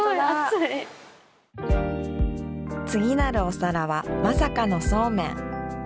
次なるお皿はまさかのそうめん。